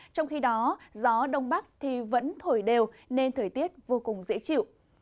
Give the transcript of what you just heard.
trong khi đó gió đông bắc vẫn thổi đều nên thời tiết vô cùng dễ chịu